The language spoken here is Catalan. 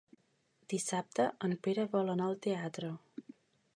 Dissabte en Pere vol anar al teatre.